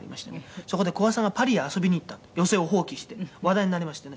そこで小朝がパリへ遊びに行った寄席を放棄してと話題になりましてね